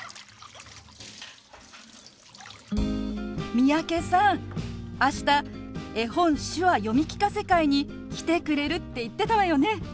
三宅さんあした絵本手話読み聞かせ会に来てくれるって言ってたわよね？